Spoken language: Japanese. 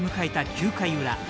９回裏。